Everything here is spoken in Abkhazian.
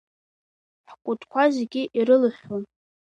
Ҳкәытқәа зегьы ирылыҳәҳәон.